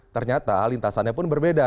ternyata lintasannya pun berbeda